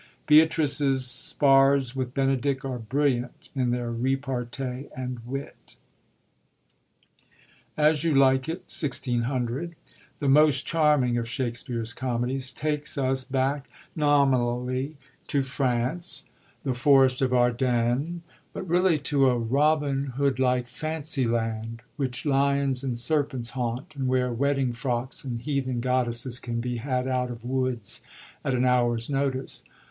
Beatrice's spars with Benedick are brilliant in their repartee and wit. As You LiKB It (1600), the most charming of Shak spere's comedies, takes us back nominally to France, 103 AS YOU LIKE ir rWELFTH NIGHT the forest of Ardennes, but really to a Robin Hood like fancy land ^hich lions and serpents haunt, and where wedding frocks and heathen goddesses can be had out of woods at an hour's notice.